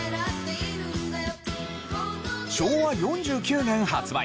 昭和４９年発売